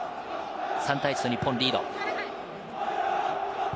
３対１と日本リード。